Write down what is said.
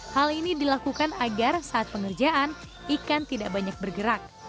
hal ini dilakukan agar saat pengerjaan ikan tidak banyak bergerak